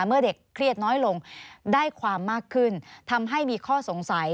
เมื่อเด็กเครียดน้อยลงได้ความมากขึ้นทำให้มีข้อสงสัย